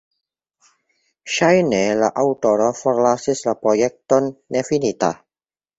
Ŝajne la aŭtoro forlasis la projekton nefinita.